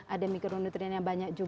ada mikronutrien yang banyak